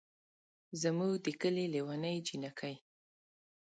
زمونږ ده کلي لېوني جينکۍ